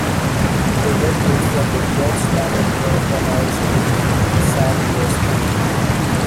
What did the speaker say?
The wreckage from the jets landed near a primary school in South Wiesmoor.